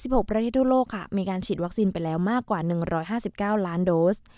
๗๖ประเทศทั่วโลกค่ะมีการฉีดวัคซีนไปแล้วมากกว่า๑๕๙ล้านโดส